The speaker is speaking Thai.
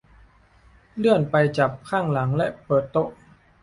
เลื่อนไปจับข้างหลังและเปิดโต๊ะ